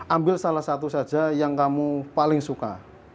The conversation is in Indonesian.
ambil salah satu saja yang kamu paling suka